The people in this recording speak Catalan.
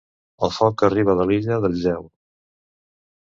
El foc que arriba de l’illa del gel!